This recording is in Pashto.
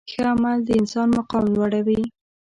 ښه عمل د انسان مقام لوړوي.